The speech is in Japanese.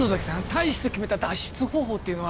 大使と決めた脱出方法っていうのは？